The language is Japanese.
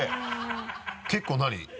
結構何？